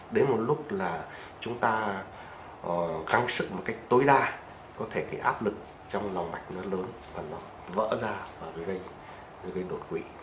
đến một lúc là chúng ta kháng sức một cách tối đa có thể cái áp lực trong lòng mạch nó lớn và nó vỡ ra và mới gây đột quỵ